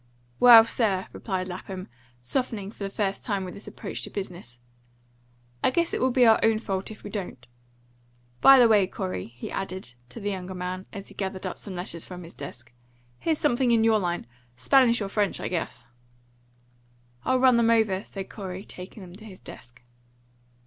"Well, sir," replied Lapham, softening for the first time with this approach to business, "I guess it will be our own fault if we don't. By the way, Corey," he added, to the younger man, as he gathered up some letters from his desk, "here's something in your line. Spanish or French, I guess." "I'll run them over," said Corey, taking them to his desk.